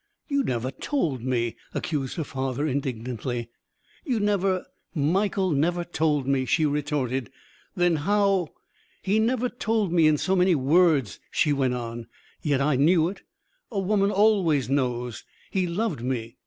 "You never told me!" accused her father indignantly. "You never " "Michael never told me," she retorted. "Then how " "He never told me in so many words," she went on. "Yet I knew it. A woman always knows. He loved me.